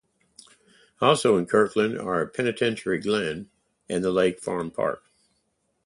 Also in Kirtland are Penitentiary Glen, and the Lake Farm Park.